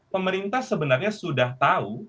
pemerintah sebenarnya sudah tahu